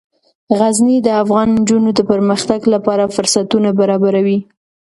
غزني د افغان نجونو د پرمختګ لپاره فرصتونه برابروي.